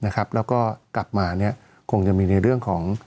แล้วก็กลับมาคงจะมีในเรื่องของ